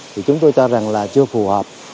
thì chúng tôi cho rằng là chưa phù hợp